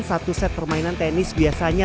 satu set permainan tenis biasanya